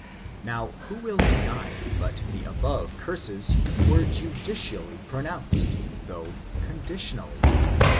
'' Now, who will deny but the above curses were jti dicially pronounced, though conditionally.